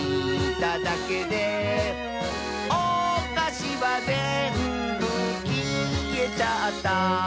「おかしはぜんぶきえちゃった」